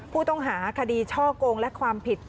ผู้ต้องหาคดีช่อกงและความผิด